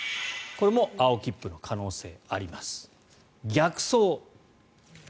これも青切符の可能性あります。